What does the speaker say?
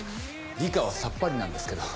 理科はさっぱりなんですけど。